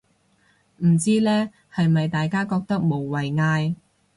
唔知呢，係咪大家覺得無謂嗌